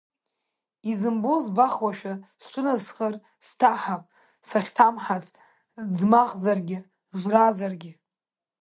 Изымбо збахуашәа сҿынасхар, сҭаҳап сахьҭамҳац ӡмахзаргьы, жразаргь.